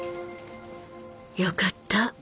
「よかった